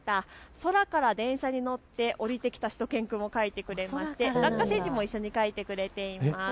空から電車に乗って降りてきたしゅと犬くんを描いてくれましてラッカ星人も一緒に描いてくれています。